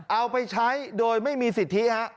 เอาไปใช้โดยไม่มีสิทธิฮะ